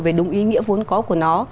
về đúng ý nghĩa vốn có của nó